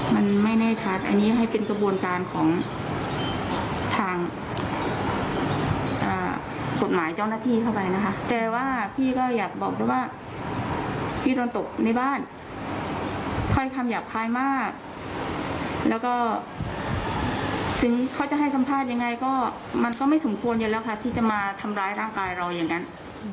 มันควรอยู่แล้วค่ะที่จะมาทำร้ายร่างกายเราอย่างนั้น